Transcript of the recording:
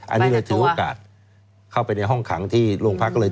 อันนี้เลยถือโอกาสเข้าไปในห้องขังที่โรงพักเลย